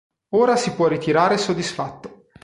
Ora si può ritirare soddisfatto.